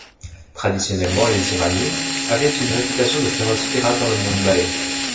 Traditionnellement, les Iranun avaient une réputation de féroces pirates dans le monde malais.